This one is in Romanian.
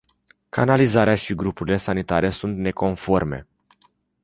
Canalizarea și grupurile sanitare sunt neconforme.